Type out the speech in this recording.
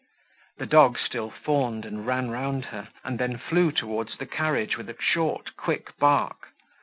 The dog still fawned and ran round her, and then flew towards the carriage, with a short quick bark.